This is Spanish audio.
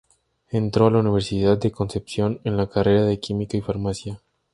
Entró a la Universidad de Concepción en la carrera de Química y Farmacia.